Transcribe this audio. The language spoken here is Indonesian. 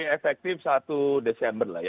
efektif satu desember lah ya